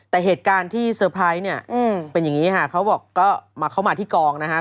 แต่เหตุการณ์ที่เซอร์ไพรส์เนี่ยเป็นอย่างนี้ค่ะเขาบอกก็เข้ามาที่กองนะครับ